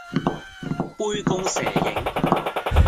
杯弓蛇影